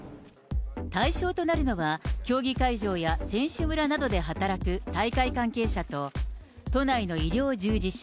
対象となるのは、競技会場や選手村などで働く大会関係者と、都内の医療従事者。